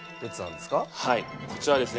はいこちらはですね